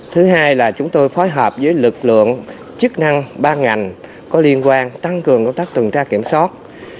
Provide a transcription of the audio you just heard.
thứ hai là chúng tôi phối hợp với lực lượng chức năng ban ngành có liên quan tăng cường công tác tuần tra kiểm soát